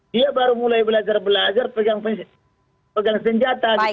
dia baru mulai belajar belajar pegang senjata